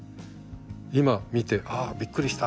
今見て「ああびっくりした。